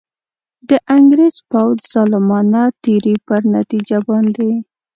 د انګرېز پوځ ظالمانه تېري پر نتیجه باندي.